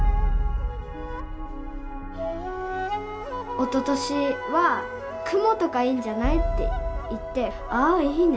おととしは「蜘蛛とかいいんじゃない？」って言って「ああいいね」